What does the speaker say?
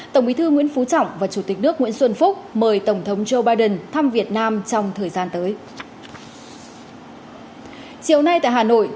tổng bí thư nguyễn phú trọng và chủ tịch nước nguyễn xuân phúc mời tổng thống joe biden thăm việt nam trong thời gian tới